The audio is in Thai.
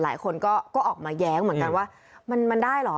หลายคนก็ออกมาแย้งเหมือนกันว่ามันได้เหรอ